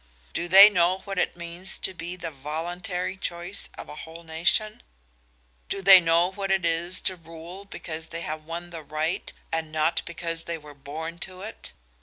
Do they know what it means to be the voluntary choice of a whole nation? Do they know what it is to rule because they have won the right and not because they were born to it?